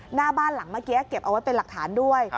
หน้าบ้านหลังเก็บเอาไว้เป็นหลักฐานด้วย